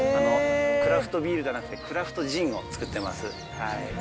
クラフトビールじゃなくて、クラフトジンを造ってます。